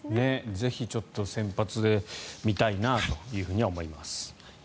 ぜひ先発で見たいなとは思います。